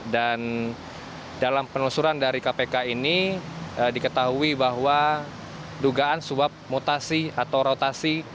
dan dalam penelusuran dari kpk ini diketahui bahwa dugaan sebab mutasi atau rotasi